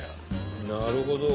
なるほど。